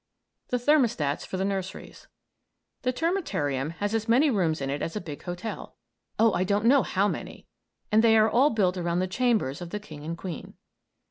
THE THERMOSTATS FOR THE NURSERIES The termitarium has as many rooms in it as a big hotel oh, I don't know how many and they are all built around the chambers of the king and queen.